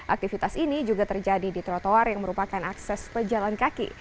aktivitas ini juga terjadi di trotoar yang merupakan akses pejalan kaki